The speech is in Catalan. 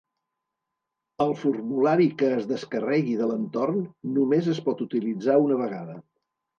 El formulari que es descarregui de l'entorn només es pot utilitzar una vegada.